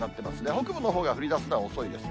北部のほうが降りだすのは遅いです。